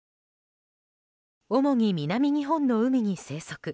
主に南日本の海に生息。